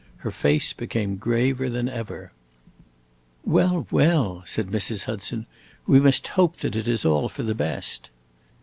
Her face became graver than ever. "Well, well," said Mrs. Hudson, "we must hope that it is all for the best."